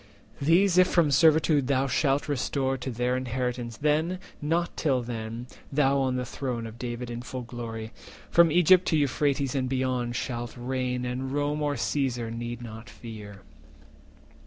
380 These if from servitude thou shalt restore To their inheritance, then, nor till then, Thou on the throne of David in full glory, From Egypt to Euphrates and beyond, Shalt reign, and Rome or Caesar not need fear."